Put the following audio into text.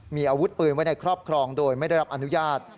มีอาวุธปืนไว้ในครอบครองโดยไม่ได้รับอนุญาต